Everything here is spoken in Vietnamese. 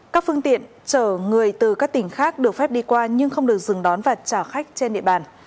các phương tiện chở người từ các tỉnh khác được phép đi qua nhưng không được dừng đón và trả khách trên địa bàn